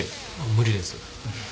無理です。